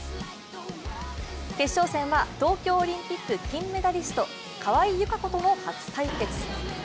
決勝戦は東京オリンピック金メダリスト川井友香子との初対決。